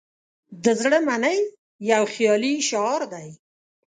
"د زړه منئ" یو خیالي شعار دی.